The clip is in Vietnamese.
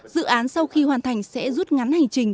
dự án sau khi hoàn thành sẽ rút ngắn hành trình